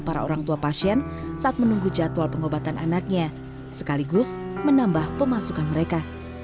para orang tua pasien saat menunggu jadwal pengobatan anaknya sekaligus menambah pemasukan mereka